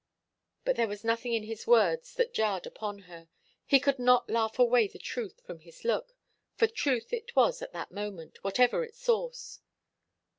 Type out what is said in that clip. But there was nothing in his words that jarred upon her. He could not laugh away the truth from his look, for truth it was at that moment, whatever its source.